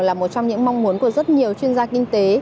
là một trong những mong muốn của rất nhiều chuyên gia kinh tế